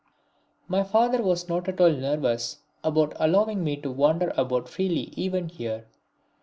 My father was not at all nervous about allowing me to wander about freely even here.